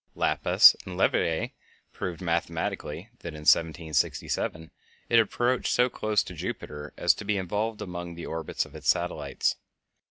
Laplace and Leverrier proved mathematically that in 1767 it had approached so close to Jupiter as to be involved among the orbits of his satellites.